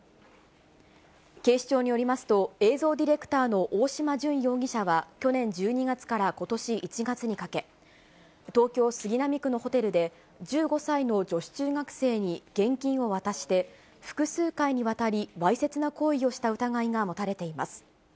警視庁によりますと、映像ディレクターの大島潤容疑者は去年１２月からことし１月にかけ、東京・杉並区のホテルで、１５歳の女子中学生に現金を渡して、複数回にわたりわいせつな行為をした疑いが持たれています。